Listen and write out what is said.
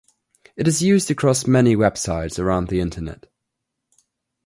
It is used across many websites around the internet.